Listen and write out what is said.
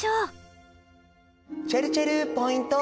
ちぇるちぇるポイント１。